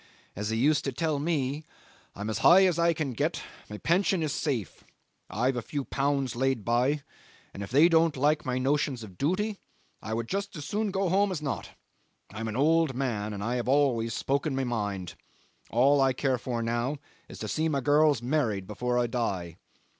As he used to tell me: "I am as high as I can get; my pension is safe. I've a few pounds laid by, and if they don't like my notions of duty I would just as soon go home as not. I am an old man, and I have always spoken my mind. All I care for now is to see my girls married before I die."